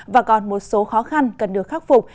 và còn một số khó khăn cần được khắc phục